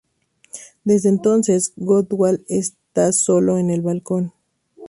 Desde entonces Gottwald está solo en el balcón.